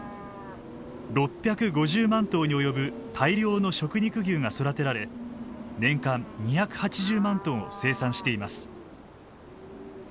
６５０万頭に及ぶ大量の食肉牛が育てられ年間２８０万トンを生産しています。